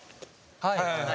はい。